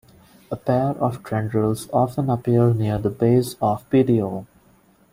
A pair of tendrils often appear near the base of the petiole.